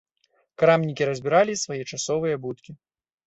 Крамнікі разбіралі свае часовыя будкі.